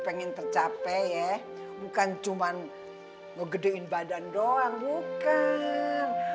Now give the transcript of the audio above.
pengen tercapek ya bukan cuma ngegedein badan doang bukan